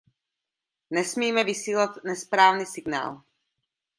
Nesmíme vysílat nesprávný signál.